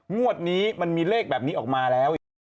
งวดนี้มันมีเลขแบบนี้ออกมาแล้วอีก